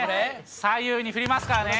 左右に振りますからね。